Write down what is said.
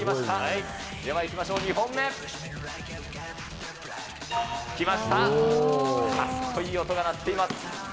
かっこいい音が鳴っています。